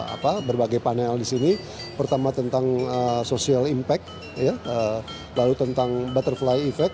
apa berbagai panel di sini pertama tentang social impact lalu tentang butterfly effect